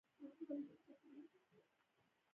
موټر د سفر لپاره کارېږي.